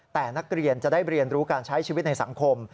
แต่นักเรียนจะได้เรียนรู้การใช้ชีวิตในสังคม